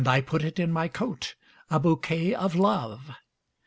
put it in my coat,A bouquet of Love!